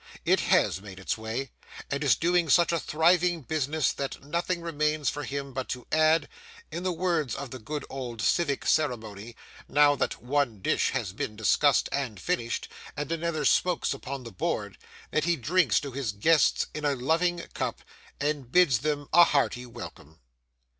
It has made its way, and is doing such a thriving business that nothing remains for him but to add, in the words of the good old civic ceremony, now that one dish has been discussed and finished, and another smokes upon the board, that he drinks to his guests in a loving cup, and bids them a hearty welcome.